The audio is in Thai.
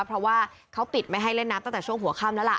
เพราะว่าเขาปิดไม่ให้เล่นน้ำตั้งแต่ช่วงหัวค่ำแล้วล่ะ